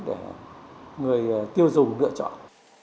để người tiêu dùng lựa chọn